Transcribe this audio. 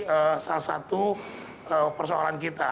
ini juga menjadi salah satu persoalan kita